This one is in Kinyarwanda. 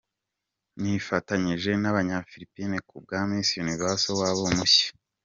Nifatanyije n’Abanyafilipine kubwa Miss Universe wabo mushya.